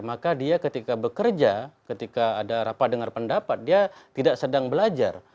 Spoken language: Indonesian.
maka dia ketika bekerja ketika ada rapat dengar pendapat dia tidak sedang belajar